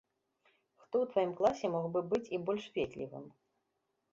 Хто ў тваім класе мог бы быць і больш ветлівым?